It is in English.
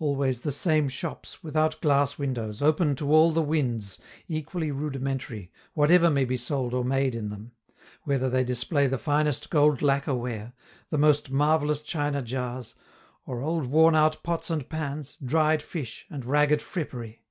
Always the same shops, without glass windows, open to all the winds, equally rudimentary, whatever may be sold or made in them; whether they display the finest gold lacquer ware, the most marvellous china jars, or old worn out pots and pans, dried fish, and ragged frippery.